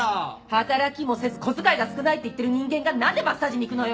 働きもせず小遣いが少ないって言ってる人間が何でマッサージに行くのよ！